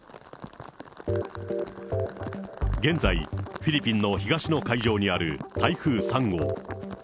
現在、フィリピンの東の海上にある台風３号。